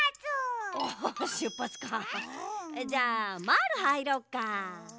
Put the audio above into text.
じゃあまぁるはいろうか。